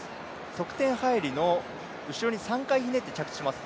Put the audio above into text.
側転入りの後ろに３回ひねって着地します。